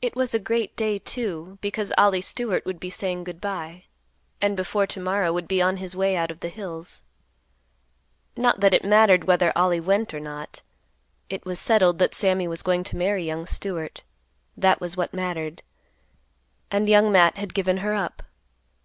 It was a great day, too, because Ollie Stewart would be saying good by, and before to morrow would be on his way out of the hills. Not that it mattered whether Ollie went or not. It was settled that Sammy was going to marry young Stewart; that was what mattered. And Young Matt had given her up.